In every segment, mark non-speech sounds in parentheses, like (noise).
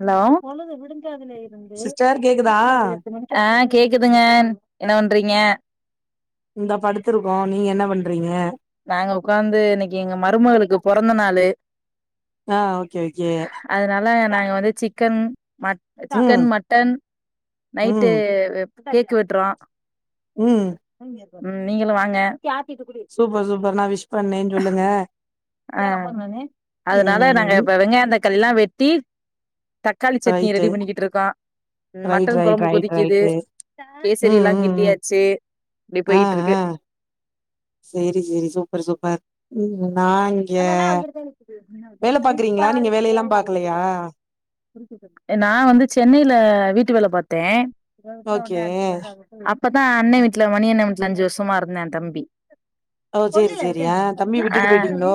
Hello சதுல இருந்து sister கேக்குதா வீட்ல ஒரு எட்டு மணிக் கேக்குதுங்கன் என்ன பண்றீங்க இந்தா படுத்துருக்கோ நீங்கென்ன பண்றீங்க நாங்க உக்காந்து இன்னைக்கு எங்க மருமகளுக்கு பொறந்த நாளு ஆ ஓகே ஓகே அதனால நாங்க வந்து சிக்கன் மட் ம் சிக்கன் மட்டன் நைட்டு ம் கேக்கு வெட்றோ ம் ம் நீங்களூ வாங்க டீ ஆத்திட்டு குடி அப்றோ நா விஷ் பண்ணேன் சொல்லுங்க ஆ அதனால நாங்க ம் இப்ப வெங்காயந்தக் கல்லா வெட்டி தக்காளி சட்னி ரைட்டு ரெடி பண்ணிக்கிட்ருக்கோ ரைட் மட்டன் ரைட் கொழம்பு ரைட் கொதிக்குது ரைட்டு ம் கேசரி எல்லா ம் ம் கிண்டியாச்சு இப்டி போயிட்ருக்கு செரி செரி சூப்பர் சூப்பர் ம் நா இங்க வேல பாக்குறீங்களா நீங்க வேலையெல்லா பாக்கலையா நா வந்து சென்னையில வீட்டு வேல பாத் தே ஓகே அப் அப்பதா அண்ண வீட்ல மணி அண்ண வீட்ல அஞ்சு வருஷமாருந்தா ஏந்தம்பி ஓ செரி செரி ஆ தம்பிய விட்டுட்டு போயிட்டீங்ளோ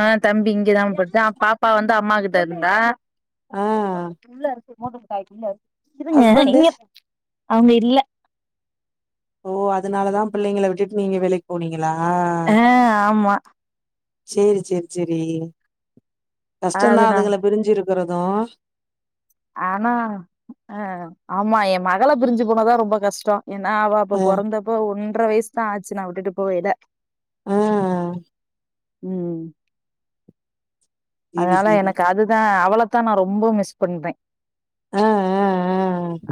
ஆ தம்பி இங்கதா பட் ஆ பாப்பா வந்து அம்மாகிட் ட இருந்தா ஆ இரு முருங்க்காய் இல்ல இருங்க ஹஸ்பண்டு இங்க அவுங்க இல்ல ஓ அதுனாலதா பிள்ளைங்கள விட்டுட்டு நீங்க வேலைக்கு போனிங்க ளா ஆ ஆமா சேரி செரி செரி கஷ்டந்தா அதுதா அதுகள பிரிஞ்சு இரு க்குறது ஆனா ஆ ஆமா எ மகள பிரிஞ்சு போனதா ரொம்ப கஷ்ட ஏன்னா அவ அப்ப அ பொறந்தப்ப ஒன் ஒன்ற வயசு தா ஆச்சு நா விட்டு போயல உம் ம் சேரி அதனால சேரி எனக்கு அதுதா அவள தா நா ரொம்ப மிஸ் பண்றே ஆ ஆ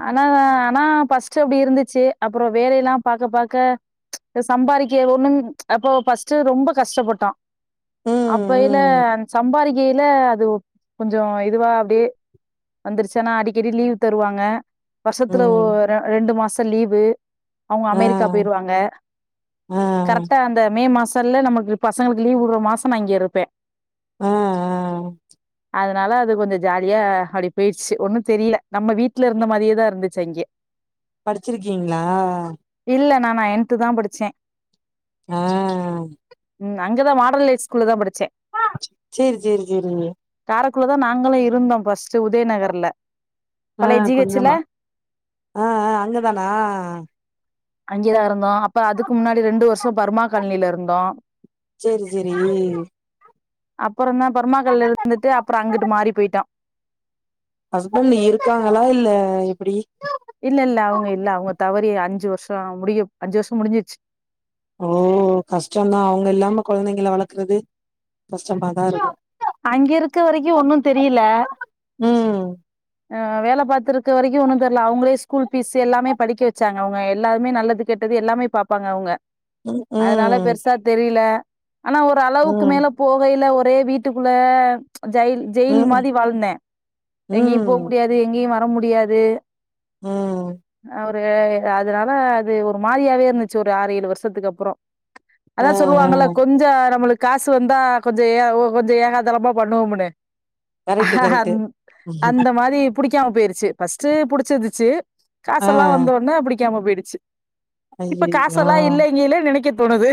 ஆனா ஆனா ஃபர்ஸ்ட் அப்படி இருந்துச்சு அப்புறம் வேலையெல்லாம் பா்க பாக்க சம்பாதிக்க ஒண்ணும் அப்ப ரொம்ப கஷ்டப்பட்டோ ஆ ம் அப்பையில ம் சம்பாதிக்கையில் அது கொஞ்ச இதுவா அப்படியே வந்துருச்சுன்னா அடிக்கடி லீவ் தருவாங்க வருஷத்துல ஒ ம் ரெண்டு மாச லீவு அவங்க ஆ அமெரிக்கா போயிருவாங்க ஆ கரெக்டா அந்த மே மாசம் சல்ல நமக்கு பசங்களுக்கு லீவ் விடுற மாசம் நா இங்கே இருப்பே ஆ அ அதனால அது கொஞ்சம் ஜாலியா அப்படி போயிடுச்சு ஒன்னும் தெரியல நம்ம வீட்டுல இருந்த மாதிரியேதா இருந்துச்சு அங்கே படிச்சிருக்கீங்களா இல்ல நா நனைத் தா படிச்சே ஆ ம் அங்கதா மாடல் ஹை ஸ்கூல தா படிச்சே சேரி சேரி சேரிங்க ரக்குள்ளதா நாங்களு இருந்தோ ஃபர்ஸ்ட்டு உதயநகர்ல ஆ பழைய ஜி ஹெச் ல கொஞ்சமா ஆ ஆ அங்கதானா அங்கேதா இருந்தோ அப்ப அதுக்கு முன்னாடி ரெண்டு வருஷோ பர்மா காலனில இருந்தோ சேரி செரி அப்புறந்தா பெர்மா காலனில இருந்துட்டு அப்புற அங்கிட்டு மாறி போயிட்டோ ஹஸ்பண்ட் இருக்காங்களா இல்ல எப்படி இல்ல இல்ல அவங்க இல்ல அவங்க தவறி அஞ்சு வருஷ முடியு அஞ்சு வருஷ முடிஞ்சிருச்சு ஓ கஷ்டந்தா அவங்க இல்லாம கொழந்தைங்கள வளக்கறது கஷ்டமாதா இருக்கு அங்க இருக்க வரைக்கு ஒன்னு தெரியல ம் அ வேல பாத்துருக்க வரைக்கு ஒன்னு தெர்ல அவங்களே ஸ்கூல் ஃபீஸ் எல்லாமே படிக்க வச்சாங்க அவங்க எல்லாருமே நல்லது கெட்டது எல்லாமே பாப்பாங்க அவுங்க ம் அதனால ம் பெருசா தெரியல ஆனா ஒரு அளவுக்கு ம் மேல போகைல ஒரு ஒரே வீட் ட்டுக்குள்ள ஜயில் ஜெயில் ம் மாதி வாழ்ந்தே எங்கேயு போக ம் முடியாது எங்கயு வ ர முடியாது ம் அ ஒரு ரு அதனால அது ஒரு மாதியாவே இருந்துச்சு ஒரு ஆறு ஏழு வருஷத்துக்கப்பறொ ஆ ஆ அதா சொல்லுவாங்கல கொஞ்ச நம்மளுக் காசு வந்தா கொஞ்ச ஏ ஓ கொஞ்ச ஏகாதளமா பண்ணுவோமுனு கரெக்ட்டு கரெக்ட்டு அந் அந்த மாதி புடிக்காம போய்ருச்சு ஃபஸ்ட்டு புடிச்சிருந்துச்சு ஆ காசெல்லா வந்தோனே புடிக் க்காம போய்டுச்சு இப்ப ஐயையோ காசெல்லா இல்லைங்கல்லெ நெனைக்கத் தோனுது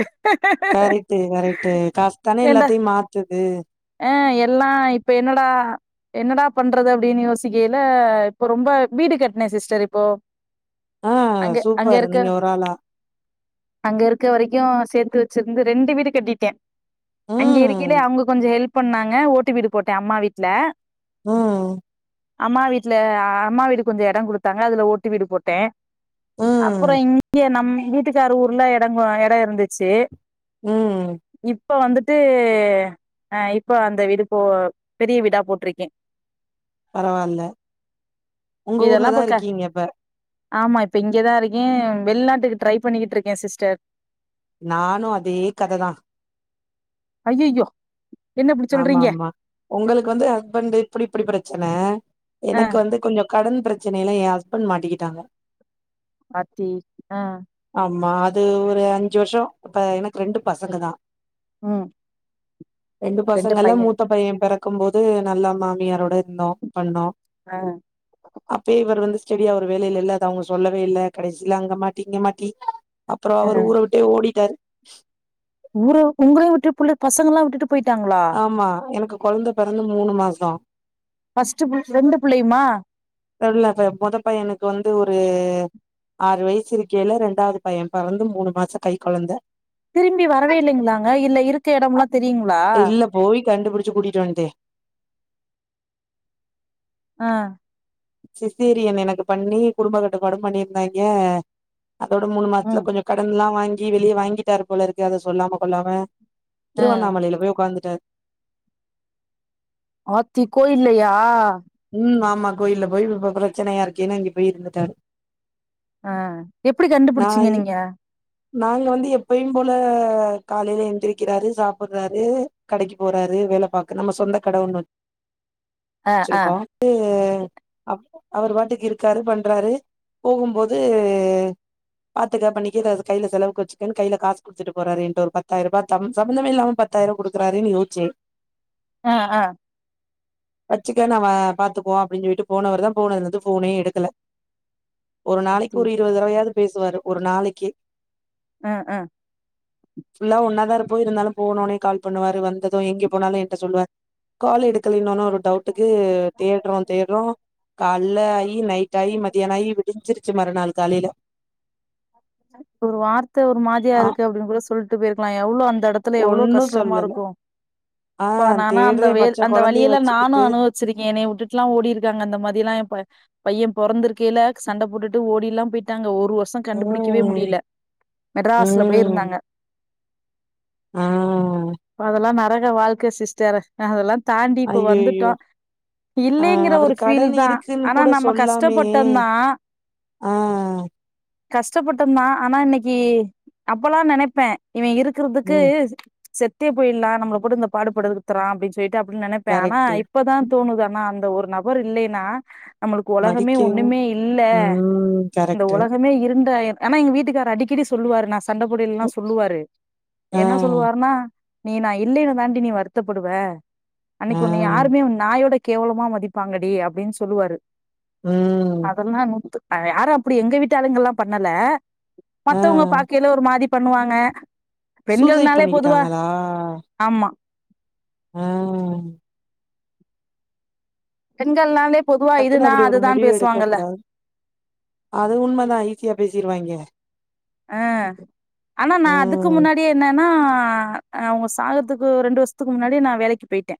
கரெக்ட்டு கரெக்ட்டு காசு தானே எல்லாத்தையு மாத்துது அ எல்லா இப்ப என்னடா என்னடா பண்றது அப்படின்னு யோசிக்கையில இப்ப ரொம்ப வீடு கட்ன சிஸ்டர் இப்போ ஆஹ் அங்க அங்க சூப்பரு இருக்க நீங்க ஒரு ஆளா அங்க இருக்க வரைக்கு சேர்த்து வச்சிருந்து ரெண்டு வீடு கட்டிட்டே அங்க ம் இருக்கிலே அவங்க ஹெல்ப் பண்ணாங்க ஓட்டி வீடு போட்டே அம்மா வீட்ல ம் அம்மா வீட்டுல அ அம்மா வீடு கொஞ்சொ எடொ குடுத்தாங்க அதுல ஓட்டி வீடு போட்டே ம் அப்பறொ இங்க நம்மை வீட்டுக்கார ஊர்ல எடங்கோ எடம் இருந்து ச்சு ம் இப்ப வந்துட்டு ஹே அ இப்போ அந்த வீடு போ பெரிய வீடா போட்டுருக்கே பரவால்ல உங்க இதெல்லா ஊர்ல தான் பக்க இருக்கீங்க இப்ப ஆமா இப்ப இங்கேதா இருக்கே வெள்நாட்டுக்கு ட்ரை பண்ணிட்டு இருக்கே சிஸ்டர் நானு அதே கததா ஐயயோ ஆமா ஆமா உங்களுக்கு வந்து ஹஸ்பண்ட் இப்பிடி இப்பிடி பிரச் ச்சன அ எனக்கு வந்து கொஞ்சோ கடன் பெரச்சனையெல்லா ஏ ஹஸ்பண்ட் பண்ட் மாட்டிக்கிட்டாங்க ஆத்தி ஆ மா அது ஒரு அஞ்சு வருஷ இப்ப எனக்கு ரெண்டு பசங்க தா ம் ரெண்டு பசங்கள்ல மூத்த பைய பெறக் க்கும் போது நல்லா மாமியாரோட இருந்தோ பண்ணோ அ அப்பயே இவர் வந்து ஸ்டெயா ஒரு வேலையில இல்ல அது அவுங்க சொல்லவே இல்ல கடைசில அங்க மாட்டி இங்க மாட்டி டி அப்பறோ அ அவரு ஊர விட்டே ஓடிட்டாரு ஊர உங்களையுவுட்டு புள்ள பசங்கள்லா விட்டுட்டு போயிட்டாங்களா ஆமா எனக்கு கொழந்த பெறந்த மூணு மாச ஃபஸ்ட் புள் ரெண்டு புள்ளையுமா (unintelligible) மொத பையனுக்கு வந்து ஒரு ஆறு வயசு இருக்கையில ரெண்டாவது பைய பெறந்து மூணு மாச கை கொழந்த திரும்பி வரவே இல்லிங்களாங்க இல்ல இருக்க எடம்லா தெரியுங்களா கண்டுப்புடிச்சு கூட்டிட்டுவன்டே ஆ சிசேரியன் எனக்கு பண்ணி குடும்ப கட்டுப்பாடு பண்ணிருந்தாய்ங்க அதோட மூணு மாசத்துல ம் கொஞ்சோ கடன்லா வாங்கி இதிலியே வாங்கிட்டாருப்போலருக்கு அத சொல்லாம கொள்ளாம அ திருவண்ணாமலையில போய் உக்காந்துட்டாரு ஆத்தி கோயில்லையா ம் ஆமா கோயில்ல போய் (unintelligible) பெரச்சனையா இருக்கேன்னு அங்க போய் இருந்துட்டாரு ஆ எப்டி நா கண்டுப்புடிச்சீங்க நீங்க ஆ காலைல எந்திரிக்கிறாரு சாப்புட்றாரு கடைக்கு போறாரு வேல பாக்க நம்ம சொந்த கட ஒன்னு அ அ வச்சிருக்கோ (unintelligible) அவருப்பாட்டுக்கு இருக்காரு பண்றாரு போகும்போது பாத்துக்க பண்ணிக்க இது அத கையில செலவுக்கு வச்சுக்கன்னு கையில காசு குடுத்துட்டு போறாரு என்ட்டு ஒரு பத்தாயிர ரூபா (unintelligible) சம்பந்தமே இல்லாம பத்தாயிர குடுக்குறாரேன்னு யோஸ்சேன் ஆ ஆ வச்சிக்க நாம பாத்துக்குவோ அப்டின்னு சொல்லிட்டு போனவர் தா போனதுலருந்து ஃபோன்னே எடுக்கல ஒரு நாளைக்கு அத்தி ஒரு இருபது தடவையாவது பேசுவாரு ஒரு நாளைக்கு ஆ ஆ ஃபுல்லா ஒன்னாதா இருப்போ இருந்தாலு போனோன்னே கால் பண்ணுவாரு வந்ததும் எங்கே போனாலு என்ட்ட சொல்லுவாரு கால் எடுக்கலைன்னோன்ன ஒரு ட்க்கு தேட்றோ தேட்றோ கால் (unintelligible) நைட்டாயி மதியானாயி விடிஞ்சிருச் ச்சு மறு நாள் காலைல ஒரு வார்த்த ஒரு மாதியா ஆ இருக்கு அப்டின் கூட சொல் ட்டு போய்ருக்லா எவ்ளோ அன் அந்த எடத்துல எவ்ளோ ஒன்னு கஷ்டமா சொல்லல இருக்கு ஆ ப்பா நானு அந்த தேட்றே வேல் பச்ச அந்த கொழந்தைய வலியெல்லா நானு வச்சுக்கிட்டு அனுவவிச்சிருக்கே என்னைய விட்டுட்லா ஓடிருக்காங்க அந்த மாதிலா எ ப பைய பொறந்திருக்கில சண்ட போட்டுட்டு ஓடி எல்லாம் போய்ட்டாங்க ஒரு ஒ கண்டுபிடிக்கவே ம் முடில மெட்ராஸ்ல போய் ம் இருந்தாங்க ஆ அதெல்லா நர க வாழ்க்க சிஸ்டர் அதெல்லா தாண்டி இப்ப ஐயய்யோ வந்துட்டோ ஆ இல்லீங்கிற அவரு ஒரு ஃபீல் கடன் தா இருக்குன்னு ஆனா கூட நம்ம சொல்லாமே கஷ்டப்பட்டந்தா ஆ கஷ்டப்பட்டந் தா ஆனா இன்னிக்கி அப்பல்லா நெனப்பே இவ இருக்கிறதுக்கு ம் செ த்தே போயிட்ல்லா நம்மள போட்டு இந்த பாடு படுத்தறா அப்டின்ச் பொய்ட்டு அப்பில் நெனப்பே ஆனா கரெக்ட்டு இப்பதா ம் தோணுது அனா அ ந்த ஒரு நபர் இல்லீன்னா நம்மளுக்கு ஒலகமே மதிக்கவு ஒண்ணுமே இல்ல ம் இந்த கரெக்ட்டு உல மே இருந்தா எ ஆனா எங்க வீட்டுக்காரு அடிக்கடி சொல்லுவாரு நான் சண்டை போடையிலெல்லா ம் சொல்லுவாரு ஆ என்ன சொல்லுவார்னா நீ நா இல்லீனா தாண்டி நீ வருத்தப்படுவ ஆ அன்னிக்கு உன்ன யாருமே நாயோட கேவலமா மதிப்பாங்கடி அப்டின் சொல்லுவாரு ம் அதெல்லா நூத்து அத யாரு அப்டி எங்க வீ ட்டாளுங்கல்லா பண்ணல ஆ மத்தவங்க பாக்கையில ஒரு மாரி பண்ணுவாங்க சூசைட் பெண்கள்னாலே பொதுவா பண்ணிக்கிட்டாங்களா? ஆமா அ பெண்கள்னாலே பொதுவா டக்குனு இதுனா அப்பிடி ஒரு அதுதான் முடிவு எடுக்க பேசுவாங்கல்ல கூடாது அது உண்ம தான ஈசியா பேசிருவாய்ங்க அ ஆனா நா அதுக்கு ம். முன்னாடியே என்னனா ஆ அவுங்க சாகறதுக்கு ரெண்டு வர்ஷ்த்துக்கு முன்னாடியே நா வேலைக்கி போயிட்டே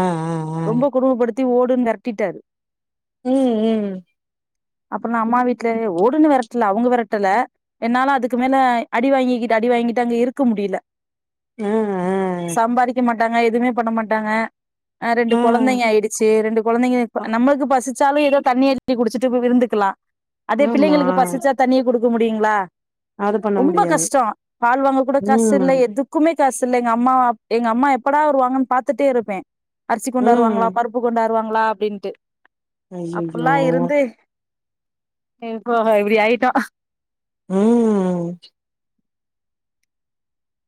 ஆ ஆ ஆ. ரொம்ப கொடுமபடு த்தி ஓடுன்னு நிரட்டிட்டாரு உம் உம் அப்புறல்லாம் அம்மா வீட்டுல ஓடுன்னு விரட்டல அவங்க விரட்டல என்னால அதுக்கு மேல அடி வாங்கிக்கிட்டு அடி வாங்கிட்டு அங்க இருக்க முடியல ஆ ஆ. சம்பாதிக்க மட்டும் டாங்க எதுவுமே பண்ண மாட்டாங்க ரெண்டு ஆ. கொழந்தைங்க ஆயிடுச்சு ரெண்டு கொழந்தைங்க இப்ப அ நம்ளுக்கு பசு வச்சாலும் ஏதோ தண்ணி அரிச்சு குடிச்சுட்டு விருந்துக்கலாம் அதே ஆமா. பிள்ளைகளுக்கு பசிச்சா தண்ணிய கொடுப் (unintelligible) முடியுங்களா அது பண்ண ரொம்ப முடியாது. கஷ்டோ பால் வாங்க கூட காசு இல்ல ம். எதுக்குமே காசில்ல எங்க அம்மா எங்க அம்மா எப்படா வருவாங்கனு பாத்துட்டே இருப்பேன் அரிசி ம். கொண்டாருவாங்களா பருப்பு கொண்டாரு வருவாங்களா அப்டின்டு ஐயய்யோ! அப்டிலா இருந்து (unintelligible) இப்டி ஆயிடோ உம்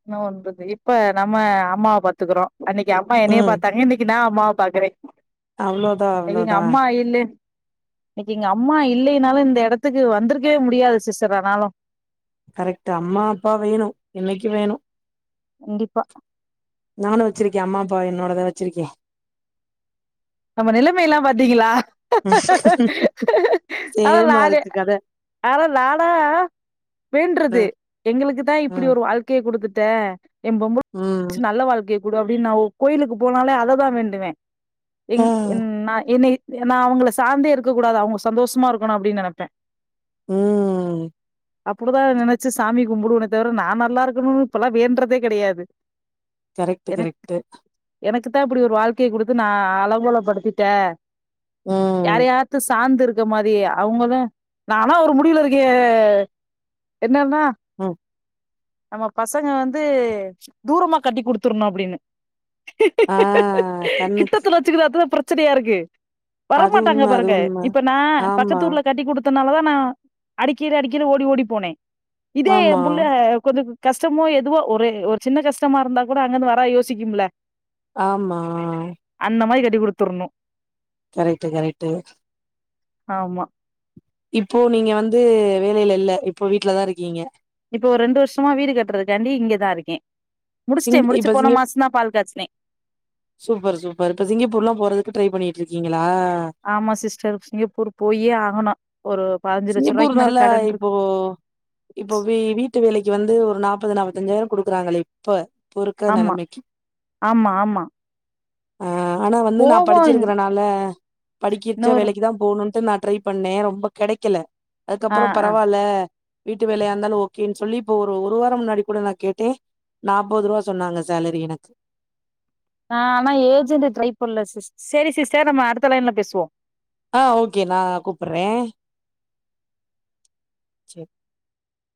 என்னவன்றது இப்ப நம்ம அம்மாவ பாத்துக்றோ அன்னைக்கு அம்மா என்னைய ம். பாத்தாங்க இன்னைக்கு நா அம்மாவ பாக்றே அவ்ளோதா அவ்ளோதா. அம்மா இல்லே இன்னைக்கு எங்க அம்மா இல்லைனாலு இந்த எடத்துக்கு வந்திருக்கவே முடியாது சிஸ்டர் ஆனாலு கரெக்ட் அம்மா அப்பா வேணு என்னைக்கு வேணு கண்டிப்பா நானு வச்சிருக்கே அம்மா அப்பா என்னோடதா வச்சிருக்கே நம்ம நிலைம எல்லா பாத்தீங்களா அதா சேமா நானே இருக்கு கத. ஆன நானா அ வேன்றது எங்களுக்கு தா அ. இப்டி ஒரு வாழ்க்கைய கொடுத்துட் ட எ பொம்பள ம். நல்ல வாழ்க்கை கு டு அப்டினு நா கோயிலுக்கு போனாலே அததா வேண்டுவே ஆ இங் ன் நா என்ன நா அவங்கள சார்ந்தே இருக்க கூடாது அவங்க சந்தோஷமா இருக்கணு அப்டினு நெனப்பே ம்ம் அப்டிதா நினைச்சு சாமி கும்புடுவேனே தவிர நா நல்லா இருக்குணுனு இப்பெல்லா வேன்றதே கெடையாது கரெக்ட் கரெக்ட் க்குதா இப்டி ஒரு வாழ்கைய குடுத்து நா அலங்கோலபடுத்திட்ட யார ம் யாரது சாந்து இருக் அவுங்ங மாரியே அவங்களு நாலா ஒரு முடிவுலுருக்கே என்னன்னா ம் நம்ம பசங்க வந்து தூரமா கட்டி குடுத்துருணு அப்டினு ஆஹ் கண்ணுக்கு வச்சுக்குறது பிரச்சனையா இருக்கு அது வரமாட்டாங்க உண்ம அது பாருங்க உண்ம. இப்ப நா ஆமா, பக்கத்தூர்ல கட்டி குடுத்த அதனால தா நா அடிக்கடி அடிக்கடி ஓடி ஓடி போனே இதே ஏ ஆமா, புள்ள கொஞ்ச கஷ்டமோ எதுவோ ஒரு ஒரு சின்ன கஷ்டமா இருந்தா கூட அங்கிருந்து வரா யோசிக்குமுல ஆமா அந்த மாரி கட்டி குடுத்துறணு கரெக்டு கரெக்டு ஆமா இப்போ நீங்க வந்து வேலையில இல்ல இப்போ வீட்லதா இருக்கீங்க இப்போ ஒரு ரெண்டு வருஷமா வீடு கட்டுறதுக்காண்டி இங்கதா இருக்க சிங்க இப்ப சிங்க காச்சுனே சூப்பர் சூப்பர் இப்ப சிங்கப்பூருல்லா போற்து ட்ரை பண்ணிடு இருக்கீங்க ஆமா சிஸ்டர் சிங்கப்பூர் போயே ஆகணு ஒரு பதினஞ்சு லட்ச சிங்கப்பூர் ரூபாய்க்கு மேல நல்லா கடன் இருக்கு இப்போ இப்போ வீட்டு வேலிக்கு வந்து ஒரு நாபது நாப்பத்தஞ்சுாயிரம் குடுக்குறாங்களே இப்ப இப்போ இருக்க ஆமா நெலைமைக்கு. ஆமா ஆமா ஆ ஆனா வந்து நா போவோ படிச்சிருக்கறனால படிக்கச்ச இன்னொரு வேலைக்கு தா போகணும்ன்ட்டு நா ட்ரை பண்ணே ரொம்ப கெடைக் இருக்குல ஆ அதுக்கப்புற ஆ பரவால்ல வீட்டு வேலையா இருந்தாலு ஓகேன்னு சொல்லி இப்ப ஒரு ஒரு வாரம் முன்னாடி கூட நா கேட்டே நாற்பது ரூபா சொன்னாங்க சேலரி எனக்கு ஆஹ் ஆனா ஏஜென் ட்ரை பண்ணல சி செரி சிஸ்டர் நம்ம அடுத்த லைன்ல பேசுவோ ஆஹ் ஓகே நா கூப்பிடுறே செரி